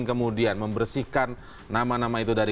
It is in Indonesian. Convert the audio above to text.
kemudian membersihkan nama nama itu dari